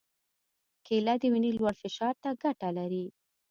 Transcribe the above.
کېله د وینې لوړ فشار ته ګټه لري.